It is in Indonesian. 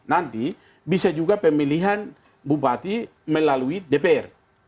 nanti bisa juga pemilihan bupati melalui dpr